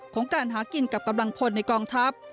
ของการหากินกับกำลังพลในกองทัพ